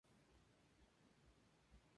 Es sufragánea a la Arquidiócesis de Edmonton.